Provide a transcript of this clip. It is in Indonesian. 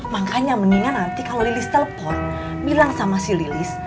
makanya mendingan nanti kalau lilis telepon bilang sama si lilis